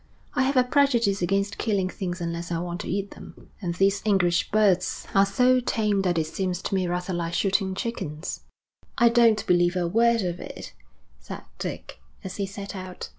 'I have a prejudice against killing things unless I want to eat them, and these English birds are so tame that it seems to me rather like shooting chickens.' 'I don't believe a word of it,' said Dick, as he set out.